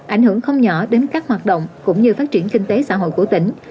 ảnh hưởng không nhỏ đến các hoạt động cũng như phát triển kinh tế xã hội của tỉnh